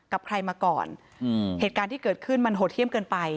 กับใครมาก่อนอืมเหตุการณ์ที่เกิดขึ้นมันโหดเยี่ยมเกินไป